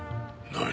何！？